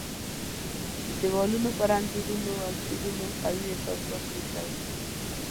د دیوالونو پر انځورونو او شعرونو قوي احساسات لېږدول کېږي.